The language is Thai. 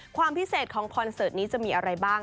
ความพิเศษของคอนเสิร์ตนี้จะมีอะไรบ้าง